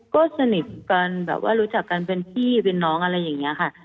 ก็สนิทกันแบบว่ารู้จักกันเป็นพี่เป็นน้องอะไรอย่างนี้ค่ะ